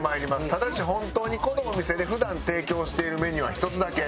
ただし本当にこのお店で普段提供しているメニューは１つだけ。